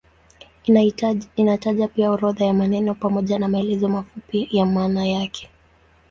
Inataja pia orodha ya maneno pamoja na maelezo mafupi ya maana yake.